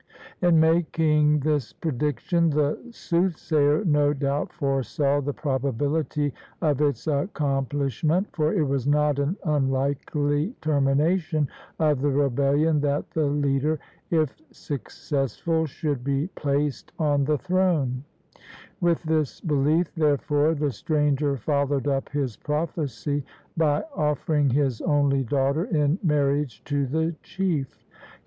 In making this prediction the sooth sayer no doubt foresaw the probability of its accom plishment, for it was not an unUkely termination of the rebellion that the leader, if successful, should be placed on the throne; with this belief, therefore, the stranger followed up his prophecy by offering his only daughter in marriage to the chief.